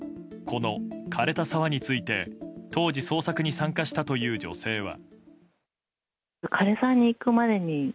この枯れた沢について当時、捜索に参加したという女性は。